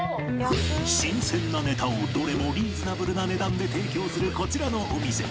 新鮮なネタをどれもリーズナブルな値段で提供するこちらのお店。